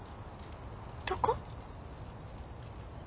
どこ？